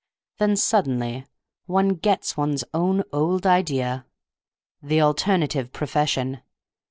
Then suddenly one gets one's own old idea—the alternative profession!